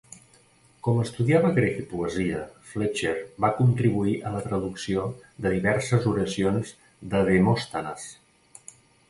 Com estudiava grec i poesia, Fletcher va contribuir a la traducció de diverses oracions de Demòstenes.